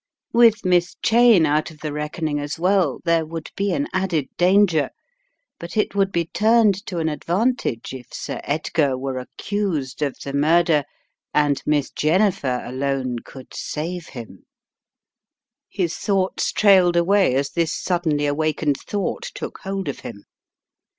With Miss Cheyne out of the reckoning as well there would be an added dan ger, but it would be turned to an advantage if Sir Edgar were accused of the murder, and Miss Jen nifer alone could save him His thoughts trailed away as this suddenly awakened thought took hold of Jiim.